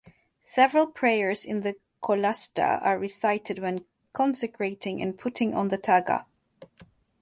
Several prayers in the "Qolasta" are recited when consecrating and putting on the "taga".